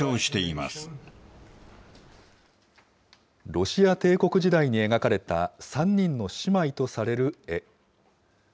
ロシア帝国時代に描かれた３人の姉妹とされる絵。